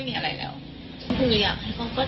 ก็ไม่ได้โดนกลับไป